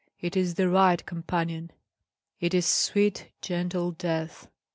it is the right companion! It is sweet gentle death!"